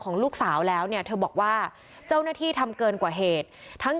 ของลูกสาวแล้วเนี่ยเธอบอกว่าเจ้าหน้าที่ทำเกินกว่าเหตุทั้ง